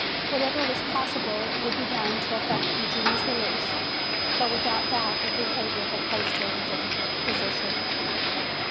Whatever was possible would be done to effect Eugenia's release. But without doubt her behavior had placed her in a difficult position.